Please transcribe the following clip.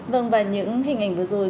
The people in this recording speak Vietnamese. vâng và những hình ảnh vừa rồi